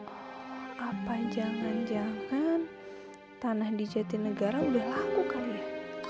oh apa jangan jangan tanah di jatinegara udah laku kali ya